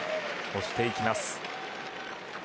押していきます。